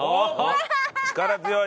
力強い。